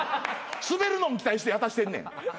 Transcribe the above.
スベるのん期待して渡してんねん。